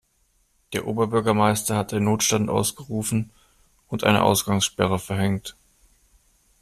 Der Oberbürgermeister hat den Notstand ausgerufen und eine Ausgangssperre verhängt.